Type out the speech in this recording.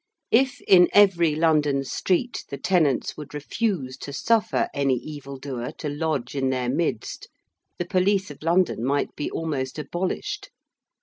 If in every London street the tenants would refuse to suffer any evildoer to lodge in their midst, the police of London might be almost abolished.